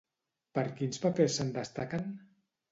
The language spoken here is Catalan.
Per quins papers se'n destaquen?